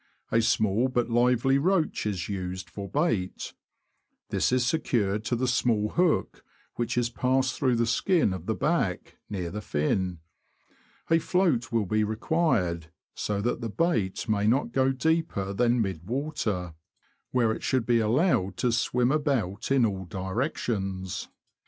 A small but lively roach is used for bait ; this is secured to the small hook, which is passed through the skin of the back, near the fin. A float will be required, so that the bait may not go deeper than mid water, where it should be allowed to swim about in all directions.